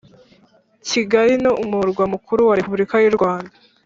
Kigali ni umurwa mukuru wa Repulika y’u Rwanda